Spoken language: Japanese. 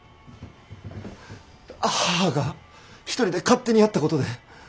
母が一人で勝手にやったことで。